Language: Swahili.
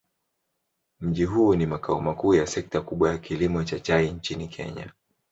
Mji huu ni makao makuu ya sekta kubwa ya kilimo cha chai nchini Kenya.